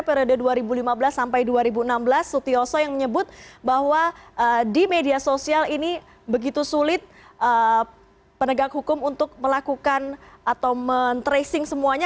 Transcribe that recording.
periode dua ribu lima belas sampai dua ribu enam belas sutioso yang menyebut bahwa di media sosial ini begitu sulit penegak hukum untuk melakukan atau men tracing semuanya